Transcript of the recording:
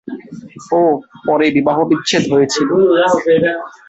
ও পরে বিবাহবিচ্ছেদ হয়েছিল।